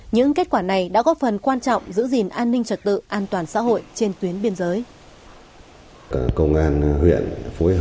những kết quả này đã góp phần quan trọng giữ gìn an ninh trật tự an toàn xã hội trên tuyến biên giới